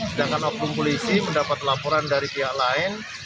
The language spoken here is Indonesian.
sedangkan oknum polisi mendapat laporan dari pihak lain